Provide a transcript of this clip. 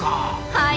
はい。